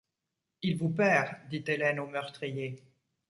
Il vous perd, dit Hélène au meurtrier.